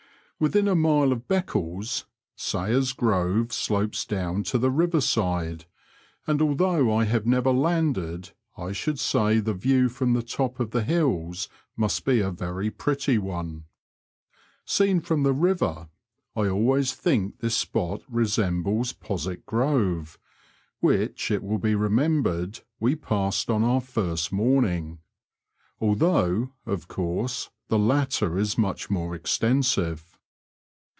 Within a mile of Beccles, Bayer's Grove slopes down to the river side, and although I have never landed I should say Digitized by VjOOQIC 42 BROADS AND RIVERS OF NORFOLK AND SUFFOLK. the view from the top of the hills must be a very pretty one. Seen from the river, I always think this spot resembles Postwick Grove (which, it will be remembered, we passed on our first morning), although, of course, the latter is much more extensive.